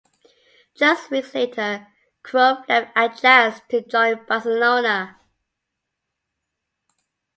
Just weeks later Cruyff left Ajax to join Barcelona.